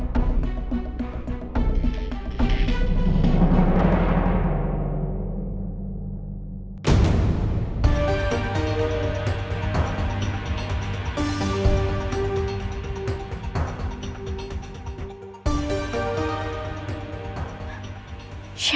kan gak boleh